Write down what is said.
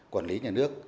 quản lý nhà nước